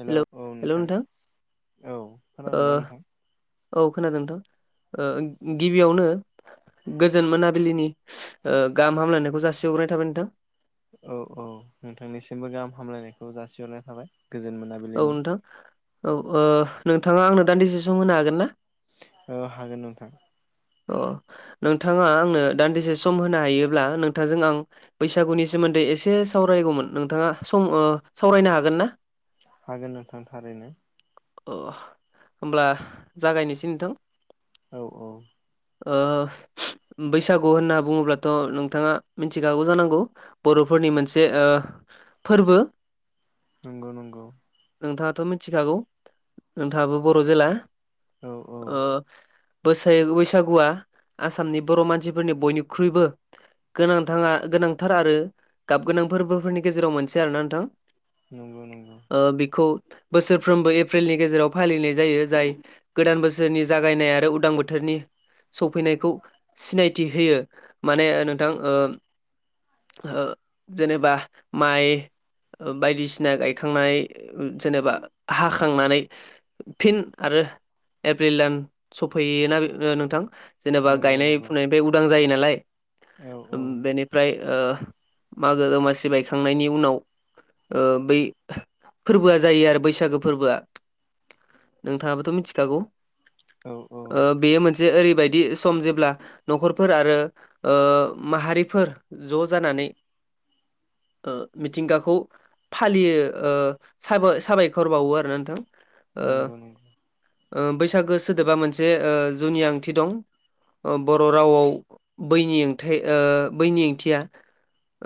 हेल' औ hello hello नोंथां औ ओ खोनादों ना नोंथां औ खोनादों नोंथां ओ गिबियावनो गोजोन मोनाबिलिनि गाहाम हामलायनायखौ जासि हरनाय थाबाय नोंथां औ औ नोंथांनिसिमबो गाहाम हामलायनायखौ जासिहरनाय थाबाय गोजोन औ मोनाबिलिनि नोंथां औ ओ नोंथाङा आंनो दा डिसिसन होनो हागोन ना? औ हागोन नोंथां। अ। नोंथाङा आंनो दान्दिसे सम होनो हायोब्ला नोंथांजों आं बैसागुनि सोमोन्दै एसे सा सावरायगौमोन नोंथाङा सम ओ सावरायनो हागोन ना? हागोन नोंथां थारैनो। अ होमब्ला जागायनोसै नोंथां। औ औ। ओ बैसागु होनना बुङोब्लाथ' नोंथाङा मिथिखागौ जानांगौ बर'फोरनि मोनसे ओ फोरबो। नंगौ नंगौ। नोंथाङाथ' मिथिखागौ नोंथाङाबो बर' जेला। औ औ। बोसा- बैसागुआ आसामनि बर' मानसिफोरनि बयनिख्रुइबो गोनांथाङा गोनांथार आरो गाब गोनां फोरबोफोरनि गेजेराव मोनसे आरोना नोंथां। नंगौ नंगौ ओ बेखौ बोसोरफ्रोमबो एप्रिलनि गेजेराव फालिनाय जायो जाय गोदान बोसोरनि जागायनाय आरो उदां बोथोरनि सफैनायखौ सिनायथि होयो माने नोंथां ओ ओ जेनेबा माइ ओ बायदिसिना गायखांनाय जेनेबा हा खांनानै फिन आरो एप्रिल दान सफैयोना नोंथां? जेनेबा नंगौ गायनाय नंगौ फुनायनिफ्राय उदां जायो नालाय औ औ बेनिफ्राय मागो दमासि बायखांनायनि उनाव ओ बै फोरबोआ जायो आरो बैसागो फोरबोया नोंथां आबो मिथिखागौ औ औ मोनसे ओरैबायदि सम जेब्ला न'खरफोर आरो माहारिफोर ज' जानानै [inaudible] ओ मिथिंगाखौ फालियो ओ साबा-साबायखर खर बावो आरो नोंथां ओ नंगौ नंगौ ओ बैसागो सोदोबा मोनसे जुनि ओंथि दं बर' रावआव बैनि बैनि ओंथिया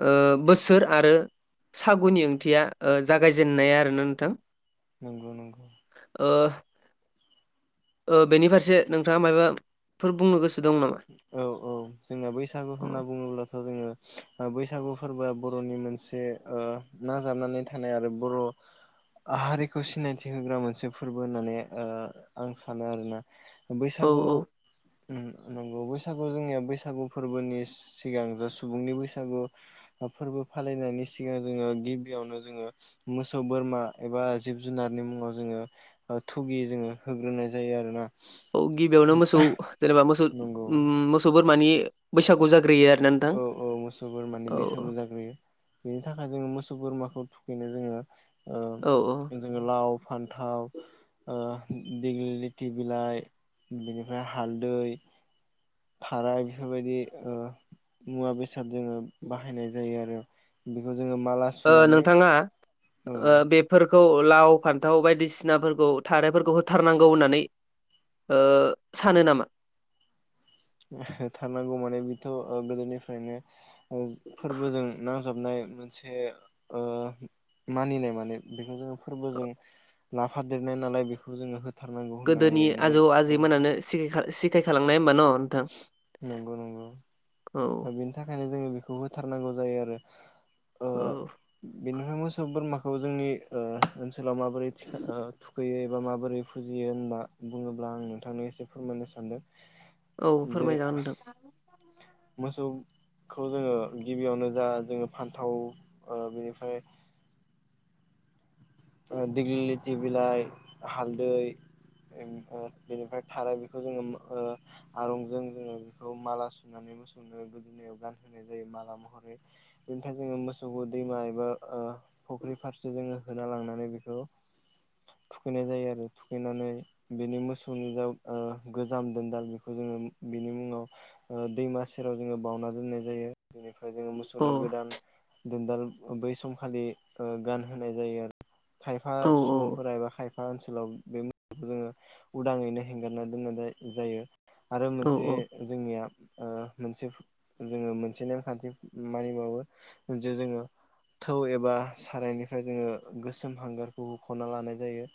ओ बोसोर आरो सागुनि ओंथिया जागायजेनन्नाया आरोना नोंथां नंगौ नंगौ ओ ओ बेनि फारसे नोंथाङा माबाफोर बुंनो गोसो दं नामा? औ औ जोंना बैसागु औ होनना बुङोब्लाथ' जोङो बैसागु फोरबोआ बर'नि मोनसे ओ नाजाबनानै थानाय आरो बर' हारिखौ सिनायथि होग्रा मोनसे फोरबो होननानै ओ आं सानो आरोना औ बैसागु नोंगौ बैसागु जोंनिया बैसागु फोरबोनि सिगां जा सुबुंनि बैसागु फोरबो फालिनायनि सिगां जोङो गिबियावनो जोङो मोसौ बोरमा एबा जिब जुनारनि मुङा जों ङो थुगि जोङो होग्रोनाय जायो आरोना औ गिबियावनो मोसौ जेनेबा मोसौ नंगौ ओ मोसौ बोरमानि बैसागु जाग्रोयो आर औ औ मोसौ बोरमानि बैसागु जाग्रोयो बेनि थाखाय जोङो मोसौ बोरमा खौ थुखैनो जोङो ओ औ औ जोङो लाव फान्थाव देगलि लेथि बिलाइ बेनिफ्राय हालदै थाराइ बेफोरबायदि मुवा बेसाद जोङो बाहायनाय जायो आरो बेखौ जोङो माला ओ सुनानै नोंथाङा औ ओ बेफोर खौ लाव फान्थाव बायदिसिनाफोरखौ थारायफोरखौ होथारनांगौ होननानै। ओ सानो नामा? थारनांगौ माने बेथ' गोदोनिफ्रायनो फोरबोजों नांजाबनाय। मोनसे ओ मानिनाय माने बेखौ जोंङो फोरबो जों लाफादेरनाय नालाय बेखौ जोङो हो गोदोनि आजौ आजैमोनानो सिखाय सिखायखालांनाय हमबा न'। नोंथां नंगौ नंगौ औ दा बेनि थाखायनो जोङो बेखौ खौ होथारनांगौ जायो आरो ओ औ बेनिफ्राय मोस सौ बोरमाखौ जोंनि ओनसोलाव माबोरै थुखैयो एबा माबोरै फुजियो होनना। बुङोब्ला आं नोंथांनो एसे फोरमायनो सानदों। औ फोरमायजागोन नोंथां। मोसौ खौ जोङो गिबियावनो जा जोङो फान्थाव ओ बेनिफ्राय दिग्लि लिथि बिलाइ हालदै ओ बेनिफ्राय थाराय बेखौ जोङो ओ आरंजों जोङो बेखौ माला सुनानै [unintelligible] फख्रि फारसे जोङो होना लांनानै बेखौ थुखैनाय जायो आरो थुखैनानै बेनि मोसौनि जाव ओ गोजाम दोनदाल बेखौ जों ओम बिनि मुङाव ओ दैमा सेराव जोङो बावउना दोननाय जायो। फ्राय जोङो अ मोसौनो गोदान दोनदाल ओ बै समखालि गानहोनाय जायो आरो। खायफा औ सुबुंफोरा एबा खाय फा ओनसोलाव बे मोसौखौ जोङो उदाङैनो हेंगारना दोननाय जायो। आरो औ मोनसे जोंनिया ओ मोनसे जोङो मोनसे नेमखान्थि मानिबावो जे जोङो। थौ एबा सारायनिफ्राय जोङो गोसोम हांगारखौ हुख'ना लानाय जायो।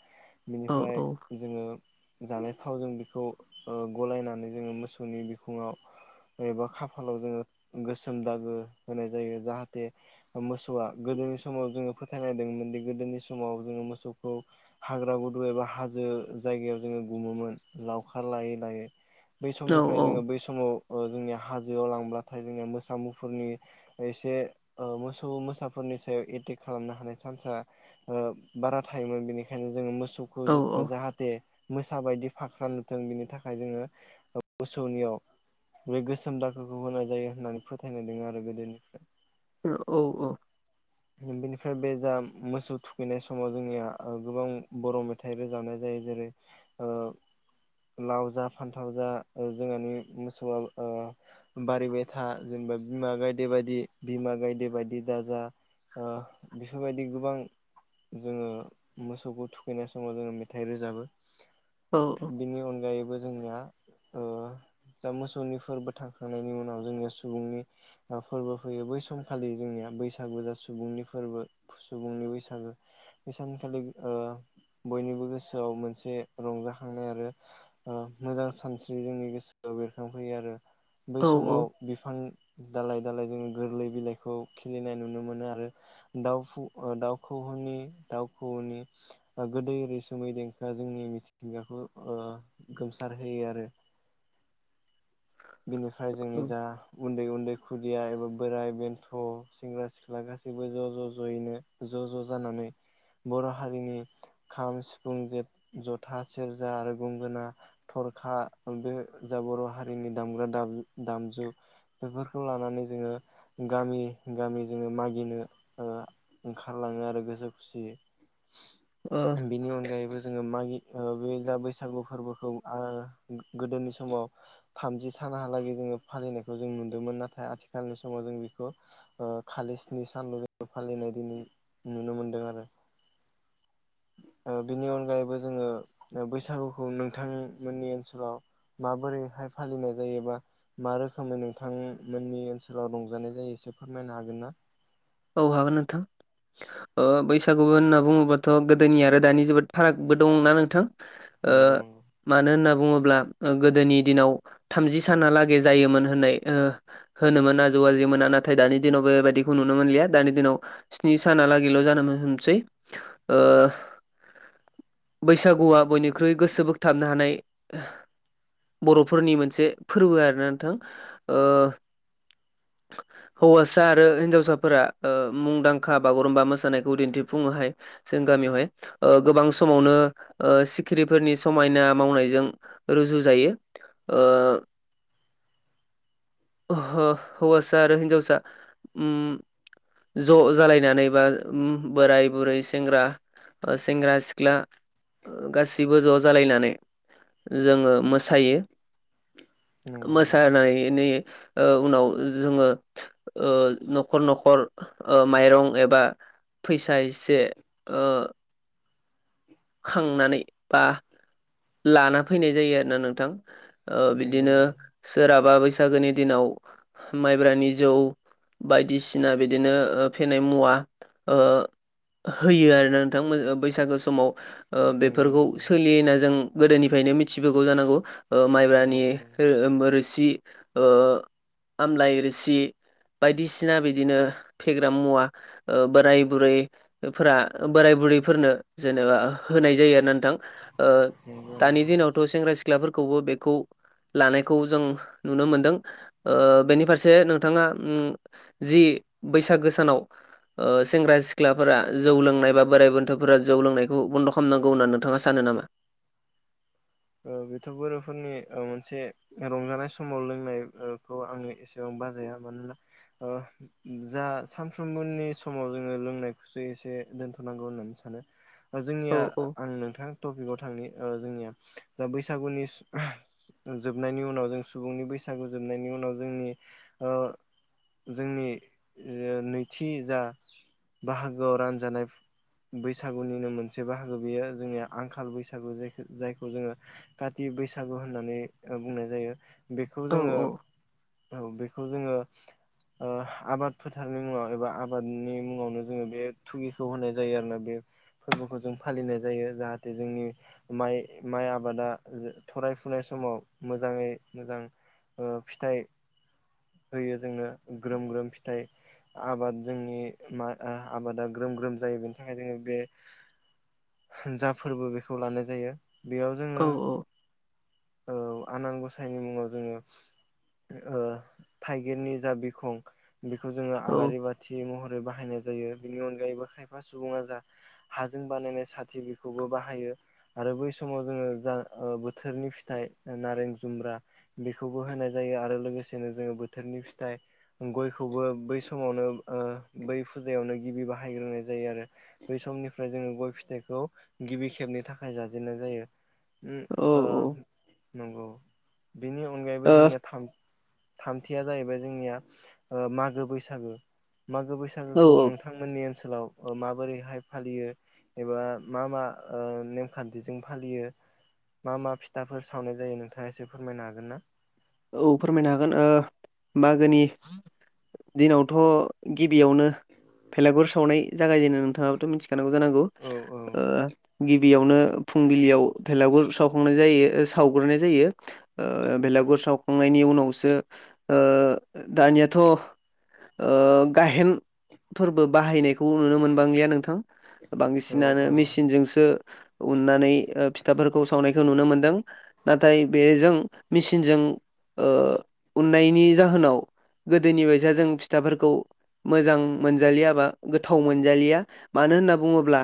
औ औ बिनिफ्राय जोङो जानाय थावजों खौ ओ गलायनानै जोङो मोसौनि बिखुङाव एबा खाफालाव जोङो गोसोम दागो होनाय जायो जाहाथे मोसौआ गोदो। समाव जोङो फोथायांनायदोंमोन दि गोदोनि समाव जोङो मोसौखौ हाग्रा गुदु एबा हाजो जायगायाव जोङो गुमोमोन। लावखार लायै लायै बै औ समनिफ्राय जोङो बै समाव ओ जोंनि हाजो आव लां बाथाय जोंनिया मोसा मुफुरनि एसे ओ मोसौ मोसाफोरनि सायाव एटेक खालामनो हानाय। सनसा ओ बारा थायोमोन बेनिखायनो जोङो मोसौखौ औ औ ओ जाहाथे मोसा बायदि फाखा नुथों बिनि थाखाय जोङो मोसौनियाव बे गोसोम दाखोखौ होनाय जायो होननानै फोथायनाय दङ आरो गोदोनिफ्राय औ औ बेनिफ्राय बे जा मोसौ थुखैनाय समाव जोंनिया ओ गोबां बर' मेथाइ रोजाबानाय जाय यो जेरै ओ लाव जा फान्थाव जा ओ जोंहानि मोसौआ ओ बारिबाय था जों बा बिमा गायदे बायदि बिमा गायदे बायदि दा जा ओ बेफोरबायदि गोबां जोङो मोसौखौ थुखैनाय समाव जोङो मेथाइ रोजाबो। बेनि अनगायैबो जोंनिया ओ दा मोसौनि फोरबो थांखांनायनि उनाव जोंनि सुबुंनि फोरबो फैयो। बै समखालि जोंनिया बैसागु जा सुबुंनि फोरबो सुबुंनि बैसागो बे सानखालि ओ बयनिबो गोसोआव मोनसे रंजाखांनाय आरो। मोजां सानस्रि जोंनि गोसोआव बेरखांफैयो आरो। बै समाव औ बिफां दालाय दालाय जो गोरलै बिलाइखौ खिलिनाय नुनो मोनो आरो। दाउफु दाउ खौऔनि दाउ खौऔनि गोदै रैसुमै देंखो। जोंनि मिथिंगाखौ ओ गोमसार होयो आरो। बिनिफ्राय जोंनि औ जा उन्दै-उन्दै खुदिया एबा बोराइ बेन्थ' सेंग्रा-सिख्ला गासैबो ज' ज' जयैनो ज' ज' ज' जानानै बर' हारिनि खाम, सिफुं, जे जथा, सेरजा आरो गंगोना, थर खा बे जा बर' हारिनि दामग्रा दाम-दामजु बेफोरखौ लानानै जोङो गामि गामि जोङो मागिनो ओ ओंखारला लाङोयो आरो गोसो खुसियै औ बिनि अनगायैबो जोङो मागि ओ बे दा बैसागु फोरबोखौ आ गोदोनि समाव थामजि सानहालागै जोङो फालिनायखौ जों नुदोंमोन नाथाय आथिखालनि समाव जों बेखौ ओ खालि स्नि सानल' जोङो फालिनाय दिनै नुनो मोनदों आरो। ओ बिनि अनगायैबो जोङो बैसागुखौ नोंथांमोननि ओनसोलाव माबोरैहाय फालिनाय जायोबा मा रोखोमै नोंथांमोननि ओनसोलाव रंजानाय जायो एसे फोरमायनो हागोन ना? [inaudible] औ हागोन नोंथां ओ बै सागु होनना बुओबाथ' गोदोनि आरो दानि जोबोद फारागबो दंना नोंथां? ओ नंगौ मानो होनना बुङोब्ला गोदोनि दिनाव थामजि सानालागै जायोमोन होननाय ओ होनोमोन आजौ आजैमोना नाथाय दानि दिनावबो बेबायदिखौ नु नो मोनलिया दानि दिनाव स्नि सानालागैल' जानो मोनसै ओ बैसागुआ बयनिख्रुइ गोसो बोगथाबनो हानाय बर'फोरनि मोनसे फोरबो आरोना नोंथां ओ हैवासा आरो हिन्जावसा फोरा ओ मुंदांखा बागुरुमबा मोसानायखौ दिन्थिफुङोहाय जों गामियावहाय ओ गोबां सु समावनो ओ सिखिरिफोरनि समायना मावनायजों रुजु जायो। ओ [inaudible] अह हौवासा‌ आरो हिन्जावसा उम ज' जालायनानै बा ओम बोराय बुरै सेंग्रा सेंग्रा सिख्ला गाैसैबो ज' जालायनानै जोङो मोसायो नंगौ नंगौ मोसानायनि ओ उनाव जोङो ओ न'खर नख खर माइरं एबा फैसा एसे ओ खांनानै बा लाना फैनाय जायो आरोना नोंथां। ओ नंगौ बिदिनो सोरहाबा बैसागोनि दिनाव माइब्रानि जौ बायदिसिना बिदिनो फेनाय मुवा ओ होयो आरो ना नोंथां बैसागो समाव। ओ नंगौ नंगौ बेफोरखौ सोलियो होनना जों गोदोनिफ्रायनो मिथिबोगौ जानांगौ ओ माइब्रानि नंगौ रोसि ओ आमलाइ रोसि बायदिसिना बिदिनो फेग्रा मुवा ओ बोराय बुरैफोरा बोराय बुरैफोरनो जेनेबा होनाय जायो आरो ना नोंथां ओ नंगौ नंगौ दानि दिनावथ' सेंग्रा सिख सिख्लाफोरखौबो बेखौ लानायखौ जों नुनो मोनदों। ओ बेनि फारसे नोंथाङा उम जि बैसागो सानाव ओ सेंग्रा सिख्लाफोरा जौ लोंनाय बा बोराइ बेन्थ'फोरा जौ लोंनायखौ बन्द' खामनांगौ होननानै नोंथाङा सानो नामा? ओ बेथ' बर'फोरनि मोनसे रंजानाय समाव लोंनाय ओ बेखौ आङो एसेबां बाजाया मानोना ओ जा सानफ्रोमबोनि समाव जोङो लोंनायखौसो एसे दोनथ'नांगौ होननानै सानो। औ जोंनिया औ आं नोंथां टपिकआव थांनि ओ जोंनिया दा बैसागुनि जोबनायनि उनाव जों सुबुंनि बैसागु जोबनायनि उनाव जोंनि ओ जोंनि ओ नैथि जा बाहागोआव रानजानाय बैसागुनिनो मोनसे बाहागो बेयो जोंनिया आंखाल बैसागु जाय जायखौ जोङो काति बैसागु होननानै बुंनाय जायो। बेखौ औ जोङो औ बेखौ जोङो ओ आबाद फोथारनि मुङाव एबा आबादनि मुङावनो जोङो बे थुगिखौ होनाय जायो आरो ना बे फोरबोखौ जों फालिनाय जायो जाहाथे जोंनि माइ माइ आबाद बादा थरायफुनाय समाव मोजाङै मोजां ओ फिथाइ होयो जोंनो ग्रोम ग्रोम फिथाइ आबाद जोंनि मा आबादा ग्रोम ग्रोम जायो बेनि थाखाय जोङो बे जा फोरबो बेखौ लानाय जायो। बेयाव जोङो औ औ औ आनान गसायनि मुङाव जोङो ओ थाइगिरनि जा बिखं बेखौ जोङो औ आलारि बाथि महरै बाहायनो जायो बेनि अनगायैबो खायफा सुबुङा जा हाजों बानायनाय साथि बेखौबो बाहायो। आरो बै समाव जोङो जा बोथोरनि फिथाइ नारें जुमब्रा बेखौबो होनाय जायो आरो लोगोसेनो जोङो बोथोरनि फिथाइ गयखौबो बै समावनो ओ बै फुजायावनो गिबि बाहायग्रोनाय जायो आरो बै समाव समनिफ्राय जोङो गय फिथाइखौ गिबि खेबनि थाखाय जाजेननाय जायो। उम ओ नंगौ बेनि अनगायैबो जोंनिया थाम थामथिया जाहैबाय जोंनिया ओ मागो बैसागो मागो औ बैसागोखौ औ नोंथांमोननि ओनसोलाव माबोरैहाय फालियो एबा मा मा ओ नेमखान्थिजों फालियो मा मा फिथाफोर सावनाय जायो नोंथाङा एसे फोरमायनो हागोन ना? औ फोरमायनो हागोन ओ मागोनि दिनावथ' गिबियावनो भलागुर सावनाय जागायजेननो नोंथाङाबोथ' मिथि खायो जानांगौ। औ औ ओ गि बियावनो फुंबिलियाव भेलागुर सावखांनाय जायो सावग्रोनाय जायो भेलागुर साव खांनायनि उनावसो ओ दानियाथ' ओ गाहेन फोरबो बाहायनायखौ नुनो मोनबांलिया नोंथां। औ बांसिनानो औ मेसिनजोंसो उननानै फिथाफोरखौ सावनायखौ नुनो मोनदों। नाथाय बेजों मेसिनजों ओ उन्नायनि जाहोनाव गोदोनि बायसा जों फिथाफोरखौ मोजां मोनजालिया बा गोथाव मोनजालिया मान मानो होनना बुङोब्ला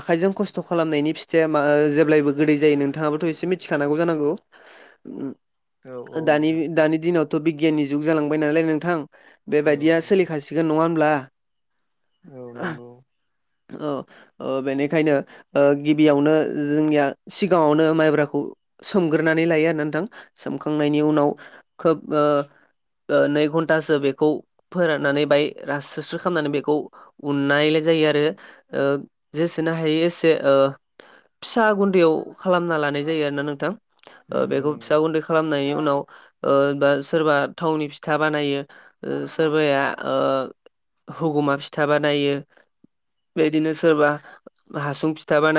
आखाइजों खस्थ' खालामनायनि फिथाइया मा जेब्लायबो गोदै जायो नोंथाङाबोथ' एसे मिथिख जानांगौ औ औ नोंथां दानि दिनावथ' बिगियाननि जुग जालांबाय नालाय नोंथां औ बेबायदिया औ सोलिखाासिगोन नङा होमब्ला औ नंगौ औ बेनिखायनो ओ गिबियावनो जोंनिया सिगाङावनो माइब्राखौ सोमग्रोनानै लायो आरो नोंथां सोमखांनायनि उनाव खोब नै घन्टासो बेखौ फोराननानै बाय रासस्रि खालामनानै बेखौ उननायलाय जायो आरो जेसेनो हायो एसे फिसा गुन्दैयाव खालामना लानाय जायो आरो ना नोंथां नंगौ बेखौ नंगौ फिसा गुन्दै नायनि उनाव बा सोरबा थावनि फिथा बानायो सोरबाया ओ हगुमा फिथा बानायो बेदिनो सोरबा हासुं फिथा बानायो